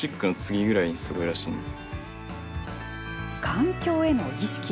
環境への意識。